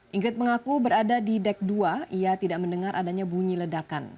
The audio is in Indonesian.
ingrid mengaku berada di deck dua ia tidak mendengar adanya bunyi ledakan